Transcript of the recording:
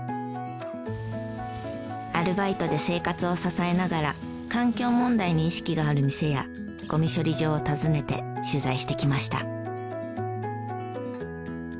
アルバイトで生活を支えながら環境問題に意識がある店やゴミ処理場を訪ねて取材してきました。